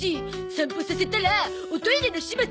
散歩させたらおトイレの始末。